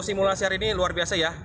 simulasi hari ini luar biasa ya